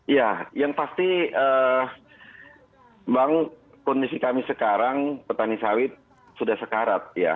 ya yang pasti bang kondisi kami sekarang petani sawit sudah sekarat ya